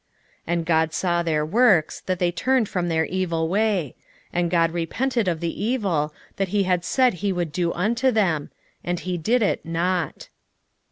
3:10 And God saw their works, that they turned from their evil way; and God repented of the evil, that he had said that he would do unto them; and he did it not.